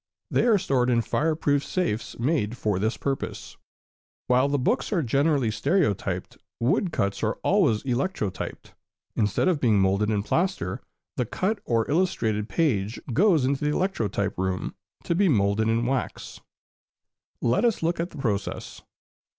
They are stored in fire proof safes, made for this purpose. While books are generally stereotyped, woodcuts are always electrotyped. Instead of being moulded in plaster, the cut or illustrated page goes into the electrotype room, to be moulded in wax. [Illustration: Moulding in Wax.] Let us look at the process.